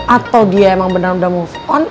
atau dia emang bener bener move on